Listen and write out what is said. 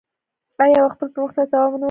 آیا او خپل پرمختګ ته دوام نه ورکوي؟